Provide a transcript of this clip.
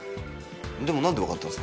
でもなんでわかったんですか？